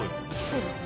そうですね。